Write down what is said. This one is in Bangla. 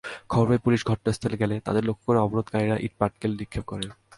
খবর পেয়ে পুলিশ ঘটনাস্থলে গেলে তাদের লক্ষ্য করে অবরোধকারীরা ইটপাটকেল নিক্ষেপ করেন।